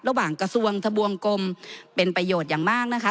ระหว่างกระทรวงทะบวงกลมเป็นประโยชน์อย่างมากนะคะ